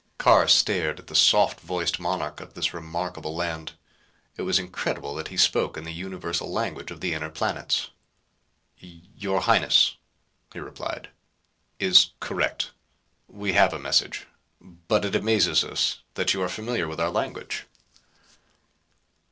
Carr stared at the soft voiced monarch of this remarkable land. It was incredible that he spoke in the universal language of the inner planets! "Your Highness," he replied, "is correct. We have a message. But it amazes us that you are familiar with our language."